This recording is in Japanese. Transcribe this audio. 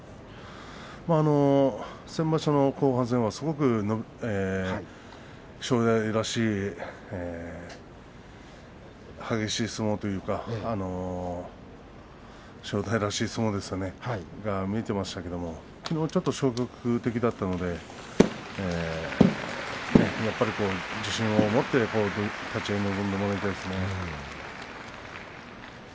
先場所の後半戦はすごく正代らしい激しい相撲というか正代らしい相撲が見えていましたけれどもきのうはちょっと消極的だったのでやっぱり自信を持って立ち合い臨んでもらいたいですね。